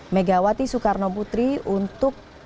megawati soekarno putri untuk